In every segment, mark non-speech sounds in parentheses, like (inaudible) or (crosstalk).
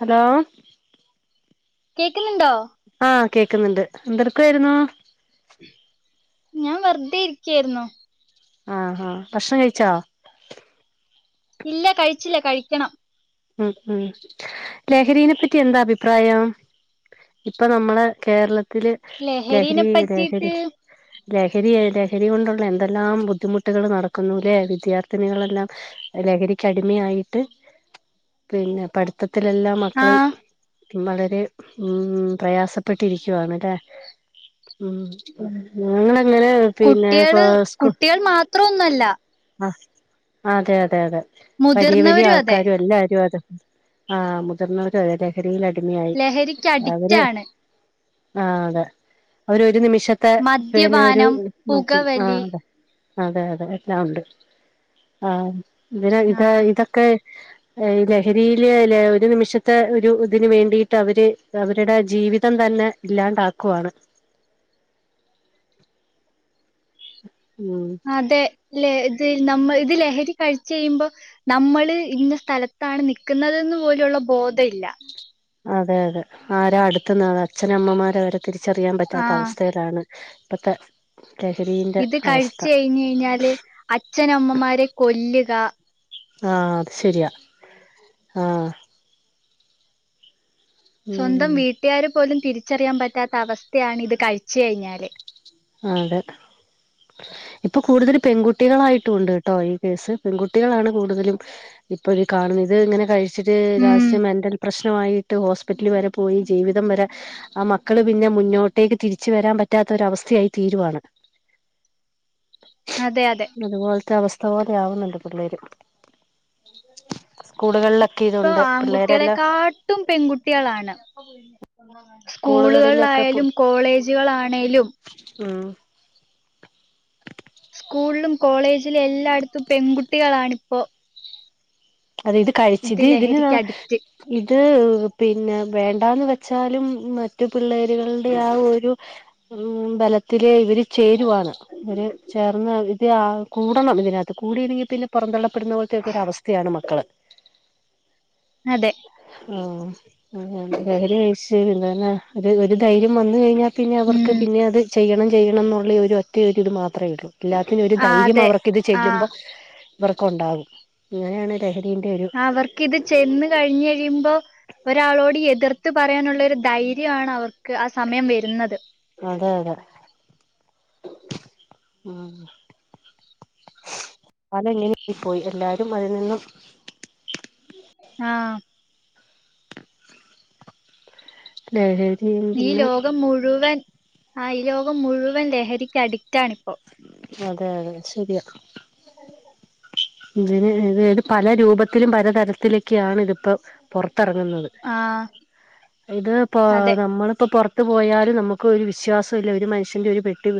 Hello കേൾക്കുന്നുണ്ടോ? ആഹ് കേക്കുന്നുണ്ട്. എന്തെടുക്കായിരുന്നു? ഞാൻ വെറുതെ ഇരിക്കായിരുന്നു. ആഹ് ആഹ്. ഭക്ഷണം കഴിച്ചോ? ഇല്ല കഴിച്ചില്ല. കഴിക്കണം. ഉം ഉം ലഹരിനെ പറ്റി എന്താ അഭിപ്രായം? ഇപ്പൊ നമ്മള് കേരളത്തില് ലഹരിനെ ലഹരി ലഹരി പറ്റിയിട്ട് ലഹരി ലഹരി കൊണ്ടുള്ള എന്തെല്ലാം ബുദ്ധിമുട്ടുകള് നടക്കുന്നൂല്ലേ. വിദ്യാർത്ഥിനികളെല്ലാം ലഹരിക്കടിമയായിട്ട് പിന്നെ പഠിത്തത്തിലെല്ലാം ആ മക്കള് വളരെ ഉം പ്രയാസ പെട്ടിരിക്കുവാണല്ലേ. ഉം ഞങ്ങളങ്ങനെ പിന്നെ കൊ കുട്ടികള് സ്കൊ കുട്ടികൾ മാത്രമൊന്നുമല്ല ആഹ് അതെ അതെ അതെ വലിയ വലിയ മുതിർന്നവരും അതെ ആൾക്കാരും എല്ലാരും അതെ. മുതിർന്നവരും ലഹരിയിൽ അടിമയായി ലഹരിക്ക് അഡിക്റ്റ് അവര് ആണ് ആഹ് അതെ അവര്ഒരു നിമിഷത്തെ പിന്നെ ഒരു മദ്യപാനം മദ്യം പുകവലി ആഹ്അതെ അതെ, അതെ എല്ലാംഉണ്ട് ആഇതില് ആ ഇത് ഇതൊക്കെ ഏഹ് ലെഹരില് ഒരുനിമിഷത്തെ ഒരു ഇതിന് വേണ്ടിയിട്ട്അവര് അവരുടെ ജീവിതംതന്നെ ഇല്ലാണ്ടാക്കുവാണ്. ഉം അതെ ലെഇത് നമ്മ ഇത് ലെഹെരി കയ്ച്ച്കയ്യുമ്പോ ന്നമ്മള് ഇന്നസ്ഥലത്താണ് നൽക്കുന്നത്ന്ന് പോലെയുള്ള ബോധം ഇല്ല. അതെ, അതെ ആരഅടുത്ത്ന്ന് അച്ഛനമ്മമാരെവരെ തിരിച്ചറിയാൻ ആ പറ്റാത്ത അവസ്ഥയിലാണ്. പ്പത്തെ ഇത് കഴിച്ച്കയ്ഞ്ഞെയ്ഞ്ഞാല് അച്ഛനമ്മമാരെ കൊല്ലുക. ആഹ് അത് ശെരിയാആഹ് സ്വന്തം ഉം വീട്ടുകാരെ പോലും തിരിച്ചറിയാൻപറ്റാത്ത അവസ്ഥയാണ് ഇത്കയ്ച്ച് കയ്ഞ്ഞാല് ആതെ ഇപ്പ കൂടുതല് പെൺകുട്ടികളായിട്ടും ഉണ്ട്ട്ടോ ഈ കേസ് പെൺകുട്ടികളാണ് കൂടുതലും ഇപ്പൊഈ കാണുന്നു ഇത് ഇങ്ങനെ കഴ്ച്ചിട്ട് ഉം രഹസ്യമെന്റെൽ പ്രശ് റ്റമായിട്ട് ഹോസ്പിറ്റല് വെരെപോയി ജീവിതം വെരെ ആമക്കള് പിന്നെ മുന്നോട്ടേക്ക്തിരിച്ച് വെരാൻ പറ്റാത്തൊരു അവസ്ഥയായി. തീരുവാണ്. അതെ അതെ അതുപോൽത്തെ അവസ്ഥപോലെയാവുന്നുണ്ട് പിള്ളേര് സ്‌കൂകളിലൊക്കെഇ ഇപ്പൊ ആൺകുട്ടികളെക്കാട്ടും പെൺകുട്ട്യാളാണ്. സ്കൂളുകളിലൊക്കെ പു സ്കൂളുകളായാലും കോളേജ്കളാണേലും ഉം സ്കൂളിലും കോളേജിലും എല്ലായിടത്തും പെൺകുട്ടികളാണിപ്പോ അതെഇത് ഇത് കഴിച്ചിട്ട് ഇതിന് ന്ന ലഹരിക്ക് അഡിക്റ്റ്. ഇത് പിന്നെവേണ്ടാന്ന് വെച്ചാലും മ മറ്റുപിള്ളേരുകളുടെ ആ ഒരു ഉം ബെലെത്തിലെ ഇവെര് ചേരുവാണ് ഇവര് ചേർന്ന് ഇത് കൂടണം ഇതിനകത്ത് കൂടിയില്ലെങ്കിൽ പിന്നെ പൊറംന്തള്ളപ്പെടുന്ന പോലത്തെക്കൊരു അവസ്ഥയാണ് മക്കള് അതെ ആഹ് അതെനെ ലഹരികഴ്ച്ച് പിന്നെന്നെ ഒര് ഒര്ധൈര്യംവന്ന് കഴ്ഞ്ഞാൽ പിന്നെ അവർക്ക് ഉം. പിന്നെഅത് ചെയ്യണം ചെയ്യണംഎന്നുള്ള ഒര്ഒറ്റ ഇത് മാത്രയൊള്ളൂ. എല്ലാത്തിനും ഒരു ആഹ് ധൈര്യം അതെ. അവർക്ക്‌ ഇത് ആഹ് ചെല്ലുമ്പോഇവർക്ക്‌ഒണ്ടാകും ഇങ്ങനെയാണ് ലഹരിന്റെഒരു അവർക്കിത് ചെന്ന്കയ്ഞ്ഞയുമ്പോ ഒരാളോട്എതിർ ത്ത് പറയാനുള്ളഒരു ധൈര്യാണ് അവർക്ക് ആസമയം വരുന്നത് അതെ അതെ ഉം പലങ്ങ പോയി എല്ലാരും അതിൽ നിന്നും ആഹ് ലെഹെരി ഈലോകം മുഴുവൻ ആ ഈ ലോകം മുഴുവൻ ലഹരിക്ക് അഡിക്റ്റാണിപ്പോ അതെ അതെശെരിയ (inaudible) ഇവര് ഇത് പലരൂപത്തിലും പലതരത്തിലൊക്കെയാണ് ഇതിപ്പോ പൊറത്തറങ്ങുന്നത്. ആ ഇത്പ്പോ അതെ നമ്മളിപ്പോ പൊർ ത്ത്പോയാലും ന്നമുക്ക് ഒരു വിശ്വാസല്ല ഒരു മനുഷ്യൻ്റെ ഒരുപെട്ടി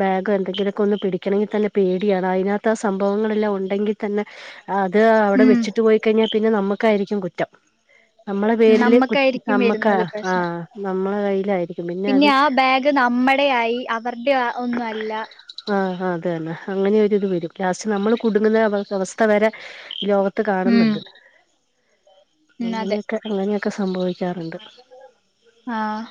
ബാഗോ എന്തെങ്കിലുമൊക്കെ ഒന്ന് പിടിക്കണമെങ്കിൽ പേടിയാണ് അയ്നകത്ത് ആ സംഭവങ്ങളൾെല്ലാം ഉണ് ഉണ്ടെങ്കിൽതെന്നെ അത്അവിടെ ഉം വെച്ചിട്ട് പോയ്കഴിഞ്ഞാൽ പിന്നെ ന്നമ്മക്കായിരിക്കും കുറ്റം. ന്നമ്മളെ പേരില് കു നമ്മക്കായിരിക്കും ന്നമ്മക്കാ വരുന്നത് പ്രശ്നം ആഹ് നമ്മളെകയ്യിലായിരിക്കും. പിന്നെ ആബാഗ് ന്നമ്മടെയായി അവര്ടെ ഒന്നുഅല്ല ആഹ് ആഹ് അതെന്നെ അങ്ങനൊരി ഇത് വെരും ലാസ്റ്റ് ന്നമ്മൾ കുടുങ്ങുന്ന അവ അവസ്ഥ വെരെലോക ത്ത് ഉം കാണുന്നുണ്ട് ഉം അതെ അങ്ങനെയൊക്കെ അങ്ങനെയൊക്കെ സംഭവിക്കാറുണ്ട് ആഹ്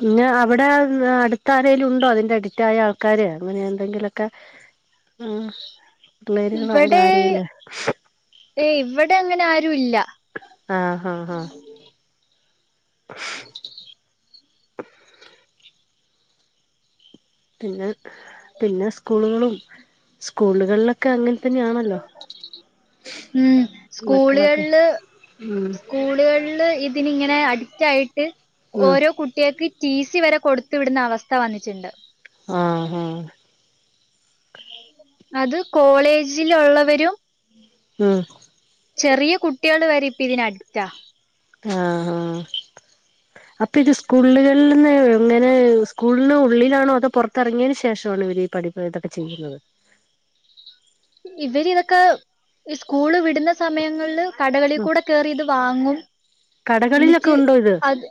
പിന്നെ അവിടെ അടുത്തരേലും ഉണ്ടോ അതിന്റെ അഡിക്റ്റായാ ആൾക്കാര് അങ്ങനെ എന്തെങ്കിലൊക്കെ ഉം പിള്ളേരുകളോ ഇവിടെ ആരെങ്കിലോ ഏഹ് ഇവിടെ അങ്ങനെ ആരുല്ല ആഹ് ഹ് ആഹ് പിന്നെ പിന്നെ സ്കൂളുകളും സ്കൂളുകളിലൊ ക്കെ അങ്ങനെ തന്നെയാണല്ലോ ഉം മക്കളൊക്കെ സ്കൂളുകളില് ഉം സ്കൂളുകളില് ഇ ഇങ്ങനെ അടിക്റ്റയിട്ട് ഉം ഓരോ കുട്ട്യേക്ക് ടി സി വരെ കൊടുത്തു വിടുന്ന അവസ്ഥ വന്നിട്ട്ണ്ട് ആഹ് ആഹ് അത് കോളേജിലുള്ളവരും ഉം ചെറിയ കുട്ട്യാൾ വരെ ഇപ്പ ഇതിനഡിക്റ്റ ആഹ് ആഹ് അപ്പൊ ഇത് സ്കൂളുകളിൽ നിന്ന് ഇങ്ങനെ സ്കൂളിന് ഉള്ളിലാണോ അതോ പൊറത്തിറങ്ങിയതിന് ശേഷണോ ഇവരി പഠി പ്പ ദൊക്കെ ചെയ്യുന്നത് ഇവര് ഇതൊക്കെ ഈ സ്കൂള് വിടുന്ന സമയങ്ങള്ല് കടകളി ഉം കൂടെ കേറി ഇത് വാങ്ങും, കടകളിലൊക്കെ ഇന്നിട്ട് ഉണ്ടോ ഇത് അത്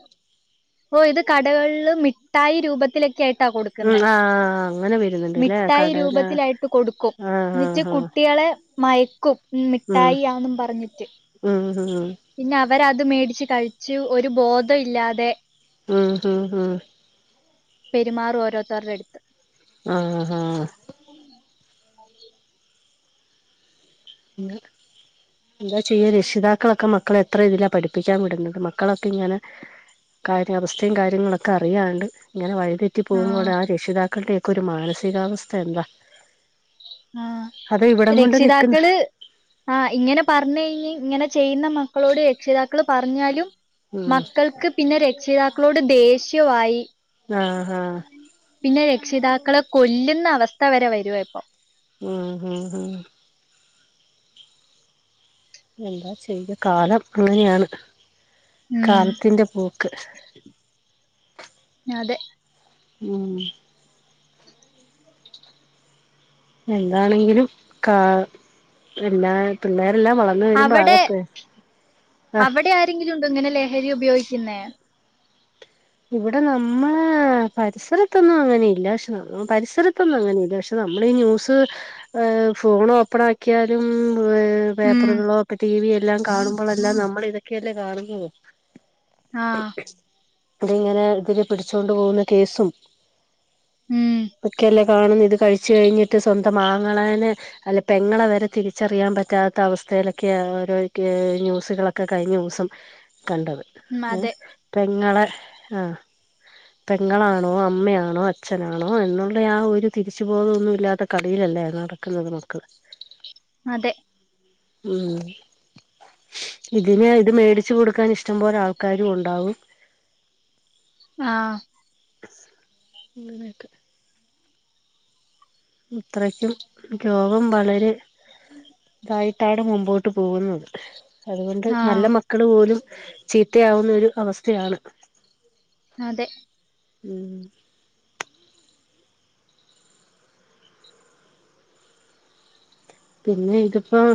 പ്പോ ഇത് കടകള്ല് മിഠായി രൂപത്തിലൊക്കെ ആയി മ് ആഹ് ആഹ് അങ്ങനെ വെ മിഠായി രൂപത്തിലായിട്ട് കൊടുക്കും, ആഹ് ഇന്നിട്ട് ആഹ് ആഹ് കുട്ടികളെ മയക്കും മിഠായിയാന്നും പറഞ്ഞിട്ട്. മ് മ് പിന്നെ അവരത് മേടിച്ച് കഴിച്ച് ഒരു ബോധോ ഇല്ലാതെ മ് മ് മ് പെരുമാറും ഓരോർത്തർടടുത്ത്. ആഹ് ആഹ് ഹാ (unintelligible) എന്താ ചെയ്യാ രക്ഷിതാക്കളൊക്കെ മക്കളെ എത്ര ഇതില പഠിപ്പിക്കാൻ വിടുന്നത്, മക്കളൊക്കെ ഇങ്ങനെ കാര്യ അവസ്ഥയും കാര്യങ്ങളൊക്കെ അറിയാണ്ട് ഇങ്ങനെ വഴി തെറ്റി പോവുമ്പോൾ ആഹ് ആ രക്ഷിതാക്കളുടെയൊക്കെ ഒരു മാനസികാവസ്ഥ എന്താ. ആഹ് അത് ഇവിടം കൊണ്ട് നിക്കുന്ന രക്ഷിതാക്കള് ആഹ് ഇങ്ങനെ പറഞ്ഞ് കയിഞ്ഞ് ഇങ്ങനെ ചെയ്യുന്ന മക്കളോട് രക്ഷിതാക്കള് പറഞ്ഞാലും ഉം മക്കൾക്ക് പിന്നെ രക്ഷിതാക്കളോട് ദേഷ്യവായി. ആഹ് ഹാ പിന്നെ രക്ഷിതാക്കളെ കൊല്ലുന്ന അവസ്ഥ വരെ വരുവ ഇപ്പം. മ് മ് മ് എന്താ ചെയ്യാ കാലം അങ്ങനെയാണ്, ഉം കാലത്തിന്റെ പോക്ക്. അതെ. മ് എന്താണെങ്കിലും കാ എല്ലാ പിള്ളേരെല്ലാം വള അവടെ ആ അവടെ ആരെങ്കിലും ഉണ്ടോ ഇങ്ങനെ ലഹരി ഉപയോഗിക്കുന്നെ. ഇവടെ നമ്മള പരിസരത്തൊന്നും അങ്ങനെയില്ല, പക്ഷേ ന പരിസരത്തൊന്നും അങ്ങനെയില്ല, പഷ് ത്ത് നമ്മളീ ന്യൂസ് ഏഹ് ഫോൺ ഓപ്പണാ ക്കിയാലും ഏഹ് ഉം പേപ്പറുകളോ ഒക്കെ ടി വി എല്ലാം കാണുമ്പളെല്ലാം നമ്മള് ഇതൊക്കെയല്ലേ കാണുന്നതും. ആഹ് അതിങ്ങനെ ഇതില് പിടിച്ചോണ്ട് പോകുന്ന കേസും ഉം ഒക്കെയല്ലേ കാണുന്നെ, ഇത് കഴിച്ച് കഴിഞ്ഞിട്ട് സ്വന്തം ആങ്ങളേനെ അല്ല പെങ്ങളെ വരെ തിരിച്ചറിയാൻ പറ്റാത്ത അവസ്ഥയിലൊക്കെയാ ഓരോ (unintelligible) ന്യൂസുകളൊക്കെ കഴിഞ്ഞുസം കണ്ടത്, ഉം ഏഹ് അതെ പെങ്ങളെ ആഹ് പെങ്ങളാണോ, അമ്മയാണോ, അച്ഛനാണോ എന്നുള്ള ആ ഒരു തിരിച്ചു ബോധമൊന്നുല്ലാത്ത കളിയിലല്ലേ അത് നട ക്ക്ന്നത് മക്കള്. അതെ. മ് ഇതിന് ഇത് മേടിച്ചു കൊടുക്കാൻ ഇഷ്ടംപോലെ ആൾക്കാരും ഉണ്ടാവും. ആഹ് അങ്ങനെയൊക്കെ. ഇത്രക്കും ലോകം വളരെ ഇതായിട്ടാണ് മുമ്പോട്ട് പോകുന്നത്. അതുകൊണ്ട് ആ നല്ല മക്കള് പോലും ചീത്തയാവുന്ന ഒരു അവസ് സ്ഥയാണ്, അതെ മ് പിന്നെ ഇതിപ്പം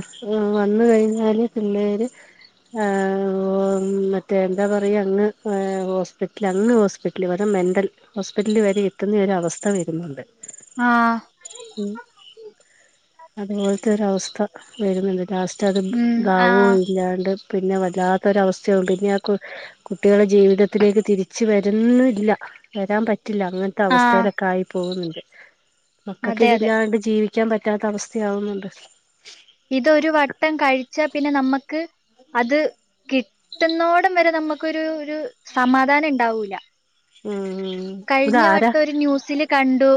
വന്നു കഴിഞ്ഞാല് പിള്ളേര് ആഹ് മറ്റേ എന്താ പറയാ അങ്ങ് എഹ് ഹോസ്പിറ്റൽ അങ്ങ് ഹോസ് പിറ്റൽ വരെ മെന്റൽ ഹോസ്പിറ്റല് വരെ എത്തുന്ന ഒരവസ്ഥ വരുന്നുണ്ട്. ആഹ് ഉം. അതുപോലത്തെ ഒരവസ്ഥ വരുന്നുണ്ട്. ലാസ്റ്റ് അത് ഉം ആ ഭാവവും ഇല്യാണ്ട്. പിന്നെ വല്ലാത്തൊരവസ്ഥയൊണ്ട്. പിന്നെ ആകു കുട്ടികളെ ജീവിതത്തിലേക്ക് തിരിച്ച് വരുന്നില്ല. വരാൻ പറ്റില്ല. അങ്ങ ൻത്തെ ആ അവസ്ഥയിലൊക്കെ ആയി പോകുന്നുണ്ട്. മക്കൾക്ക് അതെ അതെ ഇതില്ലാണ്ട് ജീവിക്കാൻ പറ്റാത്ത അവസ്ഥ. ത്യയാവുന്നുണ്ട്. ഇതൊരു വട്ടം കഴിച്ച പിന്നെ നമ്മക്ക് അത് കിട്ടുന്നോടം വരെ നമുക്കൊരു ഒരു സമാധാനം ഉണ്ടാവൂല. ഉം ഇതാരാ കഴിഞ്ഞവട്ടം ഒരു ന്യൂസില് കണ്ടു.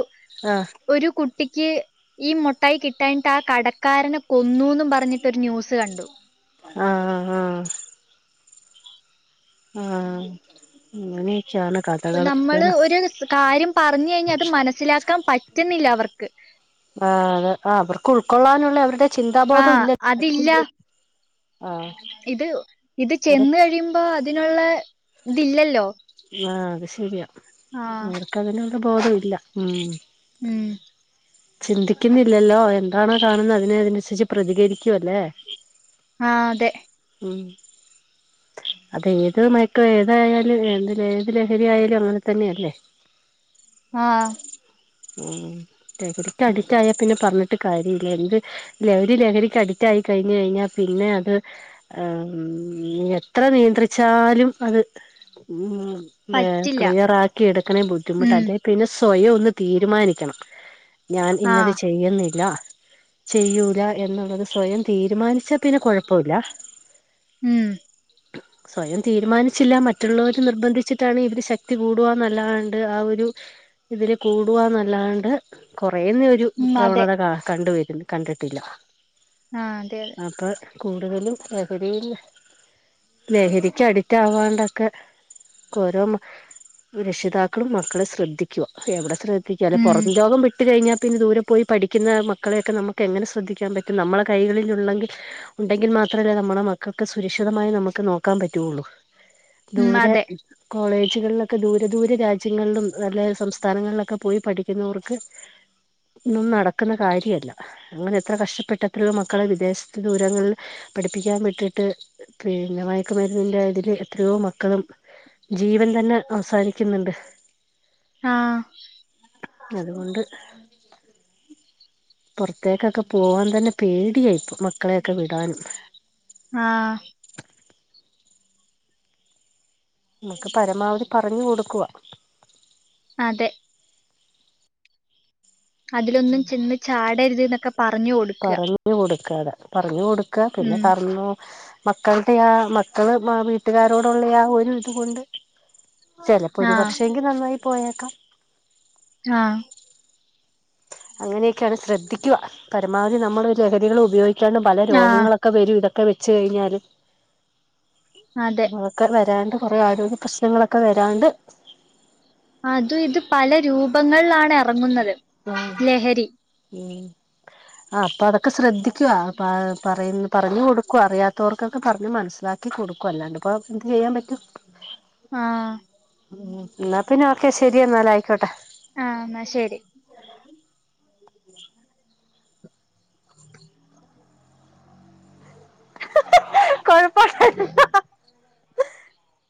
ആഹ് ഒരു കുട്ടിക്ക് ഈ മുട്ടായി കിട്ടാഞ്ഞിട്ട് ആ കടക്കാരനെ. - കൊന്നൂന്ന് പറഞ്ഞിട്ടൊരു ന്യൂസ് കണ്ടു. ആഹ് ആ ആഹ് ആഹ് അങ്ങനെയൊക്കെയാണ് ഇപ്പം കഥകള് നമ്മള് അതാണ് ഒരു കാര്യം പറഞ്ഞു കഴിഞ്ഞാൽ അത് മനസിലാക്കാൻ പറ്റ- റ്റുന്നില്ല അവർക്ക്. ആഹ് അ അവർക്ക് ഉൾക്കൊള്ളാനുള്ള അവരുടെ, - ചിന്താബോധം ആഹ് ഇല്ല. അതില്ല ആഹ്. ഇത് ഇത് ഇവരെ ചെന്ന് കഴിയുമ്പോ അതിനുള്ള ഇതില്ലല്ലോ? ആഹ്. അത് ശരിയാ. ആഹ് അവർക്കതിനുള്ള ബോധം ഇല്ല. ഉം. ഉം. ചിന്തിക്കുന്നില്ലല്ലോ, എന്താണോ കാണുന്നത് അതിനനുസരിച്ച് പ്രതികരിക്കുവല്ലേ ആഹ് അതെ. ഉം. അത് ഏതുമാ പ്പ ഏതായാലും വേണ്ടീല. ഏത് ലഹരി ആയാലും അങ്ങനെ തന്നെയല്ലേ? ആഹ്. ഉം ലഹരിക്ക് അഡിക്റ്റായ പിന്നെ പറഞ്ഞിട്ട. ട്ട് കാര്യല്ല. എന്ത് ലഹരി ലഹരിക്ക് അഡിക്റ്റായി കഴിഞ് കഴിഞ്ഞാൽ പിന്നെ അത്. ഏഹ് എത്ര നിയന്ത്രിച്ചാലും അത് പറ്റില്ല ക്ലിയറാക്കി എടുക്കണേ ബുദ്ധിമുട്ട് ഉം അല്ലെ? പിന്നെ സ്വയം ഒന്ന് തീരുമാനിക്കണം. ഞാൻ ഇന്നത് ആഹ് ചെയ്യുന്നില്ല. ചെയ്യൂല എന്നുള്ളത് സ്വയം തീരുമാനിച്ചാ പിന്നെ കുഴപ്പമില്ല. ഉം സ്വയം തീരുമാനിച്ചില്ല. മറ്റുള്ളവർ നിർബന്ധിച്ചിട്ടാണ് ഇവര് ശക് ത്തി കൂടുവ ന്നല്ലാണ്ട് ആ ഒരു ഇതിൽ കൂടുവാ ന്നല്ലാണ്ട് കുറ ഒരു ഉം അതെ പ്രവണത കണ്ടുവ കണ്ടിട്ടില്ല. ആഹ് അതെ അതെ അപ്പോൾ കൂടുതലും ലഹരിൽ ലഹരിക്കടി റ്റാ ആവാണ്ടൊക്കെ ഓരോ രക്ഷിതാക്കളും മക്കളെ ശ്രദ്ധിക്കുക. എവിടെ ശ്രദ്ധ ദ്ധി ക്കാന് ഉം പുറം ലോകം വിട്ട് വിട്ട കഴിഞ്ഞാൽ പിന്നെ ദൂരെ പോയി പഠിക്കുന്ന മക്കളെയൊക്കെ നമുക്ക് എങ്ങനെ ശ്രദ്ധിക്കാൻ പറ്റും. നമ്മുടെ കൈളിൽ ഉുള്ളെങ്കിൽ ഉണ്ടെങ്കിൽ മാത്രമല്ലേ നമ്മളുടെ മക്കൾക്ക് സുരക്ഷിതമായി നമുക്ക് നോക്കാൻ പറ്റുള്ളു. ഉം ദൂരെ അതെ കോളേജുകളിലൊക്കെ ദൂര ദൂര രാജ്യങ്ങളിലും നല്ല സംസ്ഥാനങ്ങളിലൊക്കെ പോയി പഠിക്ക പിക്കുന്നോർക്ക് ഇതൊന്നും നടക്കുന്ന കാര്യല്ല. അങ്ങനെ എത്ര കഷ്ടപ്പെട്ടത്രോ മക്കളെ വിദേശത്ത് ദൂരങ്ങളിൽ പഠിപ്പിക്കാൻ വിട്ടിട്ട് പിന്നെ മയക്ക് മരുന്നിന്റെ അതില് എത്രയോ മക്കളും ജീവൻ തന്നെ അവസാനിക്കുന്നുണ്ട്. ആഹ് അതുകൊണ്ട് പുറത്തേക്കൊക്കെ പോവാൻ തന്നെ പേടിയായിപ്പ. മക്കളെയൊക്കെ വിടാനും. ആഹ് നമുക്ക് പരമാവധി പറഞ് കൊടുക്കുവ അതെ അതിലൊന്നും ചെന്ന് ചാടരുത് എന്നൊക്കെ പറഞ്ഞു കൊടുക്ക പറഞ്ഞു കൊടുക്കത പറഞ്ഞു കൊടുക പിന്നെ ഉം കന്നു മക്കളുടെ ആ മക്കള് വീട്ടുകാരോടുള്ള ആ ഒരു ഇത് കൊണ്ട് ചെലപ്പോ ഒരു ആഹ് പക്ഷേെങ്കിൽ നന്നായി പോയേക്കാം ആഹ് അങ്ങനെയൊക്കെയാണ് ശ്രദ്ധിക്കുവ പരമാവധി നമ്മൾ ല ഹരികൾ ഉപയോഗിക്കാണ്ട് പല ആഹ് രോഗങ്ങളൊക്കെ ഒക്കെ വരും ഇതൊക്കെ വെച്ച കഴിഞ്ഞാല് അതെ ഒക്കെ വരാണ്ട് കുറെ ആരോഗ്യ പ്രശ്നങ്ങളൊക്കെ വരാണ്ട് അത് ഇത് പല രൂപങ്ങളിലാണ് ഇറങ്ങുന്നത് ഉം ആ അപ്പൊ അതൊക്ക സ്രദ്ധിക്കുവാ പറയ പറഞ്ഞു കൊടുക്കു അറിയാത്തവർക്കൊക്കെ പറഞ്ഞ് മനസ്സിലാക്ക കൊടുക്കു അല്ലാണ്ട് ഇപ്പൊ എന്ത് ചെയ്യാൻ പറ്റും ആഹ് എന്നാ പിന്നെ ഓക്കെ ശരി എന്നാല ആയിക്കോട്ടെ ആ ശരി കഴ ! !